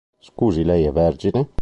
Scusi lei è vergine?